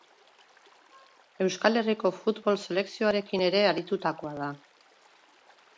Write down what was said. Euskal Herriko futbol selekzioarekin ere aritutakoa da.